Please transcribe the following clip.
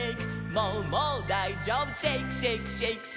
「もうもうだいじょうぶシェイクシェイクシェイクシェイク」